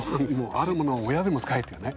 あるものは親でも使えってね。